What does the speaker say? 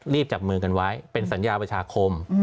จับมือกันไว้เป็นสัญญาประชาคม